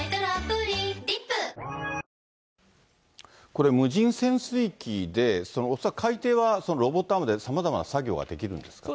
これ、無人潜水機で、恐らく海底はロボットアームでさまざまな作業ができるんですか。